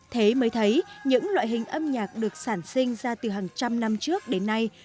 thế mới thấy những loại hình âm nhạc được sản sinh ra từ hàng trăm năm trước đến nay